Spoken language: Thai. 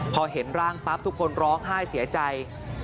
พอเห็นร่างปั๊บทุกคนร้องไห้เสียใจ